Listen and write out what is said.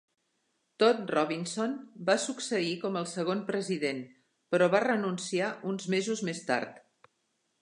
Todd Robinson va succeir com el segon president, però va renunciar uns mesos més tard.